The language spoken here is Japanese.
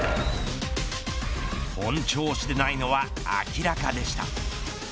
本調子でないのは明らかでした。